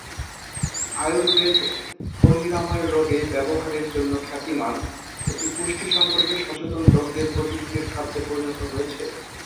আয়ুর্বেদ ও নিরাময়ের রোগে ব্যবহারের জন্য খ্যাতিমান, এটি পুষ্টি সম্পর্কে সচেতন লোকদের প্রতিদিনের খাদ্যে পরিণত হয়েছে।